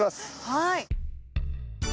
はい。